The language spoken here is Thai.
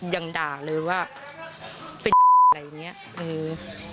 ยังด่าเลยว่าเป็นอะไรอย่างเงี้ยเออ